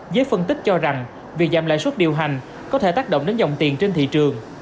giới phân tích cho rằng việc giảm lãi suất điều hành có thể tác động đến dòng tiền trên thị trường